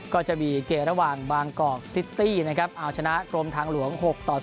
ก็จะมีเกมระหว่างบางกอกซิตี้นะครับเอาชนะกรมทางหลวง๖ต่อ๐